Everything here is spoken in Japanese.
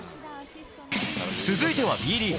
続いてはＢリーグ。